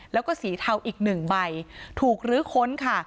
แล้วก็สีเทาอีกหนึ่งใบถูกลื้อค้นค่ะ